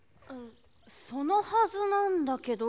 そのはずなんだけど。